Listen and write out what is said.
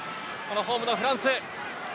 ホームのフランス。